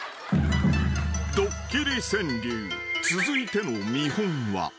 ［続いての見本は］